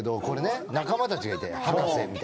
これね仲間たちがいて。